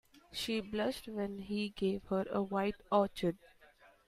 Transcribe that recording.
She blushed when he gave her a white orchid.